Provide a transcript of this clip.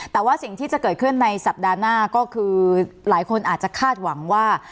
แต่ว่าสิ่งที่จะเกิดขึ้นในสัปดาห์หน้าก็คือหลายคนอาจจะคาดหวังว่า